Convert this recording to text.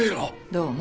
どうも。